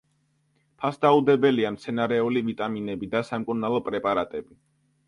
ფასდაუდებელია მცენარეული ვიტამინები და სამკურნალო პრეპარატები.